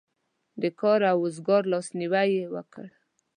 د کار او روزګار لاسنیوی یې وکړ.